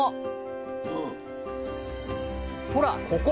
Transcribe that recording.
ほらここ！